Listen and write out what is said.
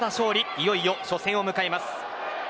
いよいよ初戦を迎えます。